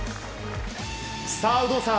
さあ、有働さん。